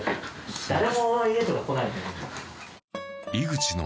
誰も家とか来ないのに。